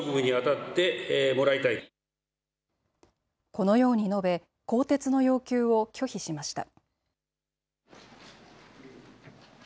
このように述べ更迭の要求を拒否しました。